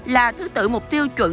là thứ tự mục tiêu chuẩn